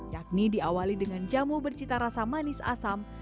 yakni diawali dengan jamu bercita rasa manis asam